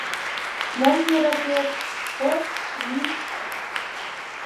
Мом йӧратет — коч, йӱ.